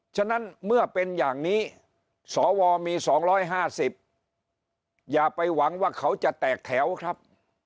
ฉะนั้นเมื่อเป็นอย่างนี้สวมี๒๕๐อย่าไปหวังว่าเขาจะแตกแถวครับ